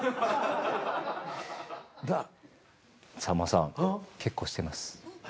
さんまさん結構してます。